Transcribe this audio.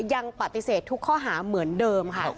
ยังปฏิเสธทุกข้อหาเหมือนเดิมค่ะ